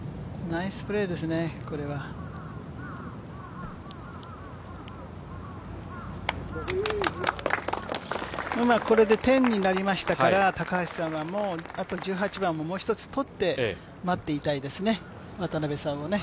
ナイスプレーですね、これはこれで１０になりましたから、高橋さんは１８番ももうひとつとって待っていたいですね渡邉さんをね。